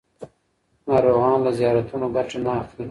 ناروغان له زیارتونو ګټه نه اخلي.